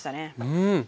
うん！